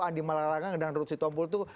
andi malarangang dan ruth sitompul itu